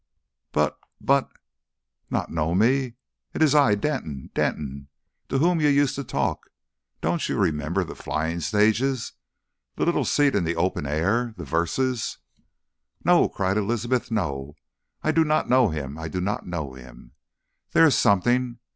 "But but ... Not know me! It is I Denton. Denton! To whom you used to talk. Don't you remember the flying stages? The little seat in the open air? The verses " "No," cried Elizabeth, "no. I do not know him. I do not know him. There is something....